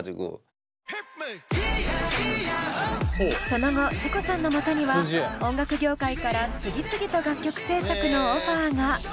その後ＺＩＣＯさんのもとには音楽業界から次々と楽曲制作のオファーが。